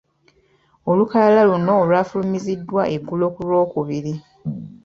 Olukalala luno olwafulumiziddwa eggulo ku Lwokubiri.